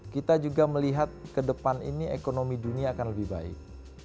kita juga melihat ke depan ini ekonomi dunia akan lebih baik